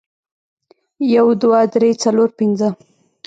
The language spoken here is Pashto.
یو، دوه، درې، څلور، پنځه